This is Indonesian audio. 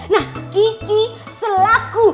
nah kiki selaku